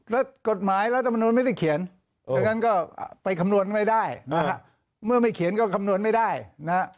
แล้วกฎหมายรัฐมนุนไม่ได้เขียนดังนั้นก็ไปคำนวณไม่ได้นะฮะเมื่อไม่เขียนก็คำนวณไม่ได้นะฮะ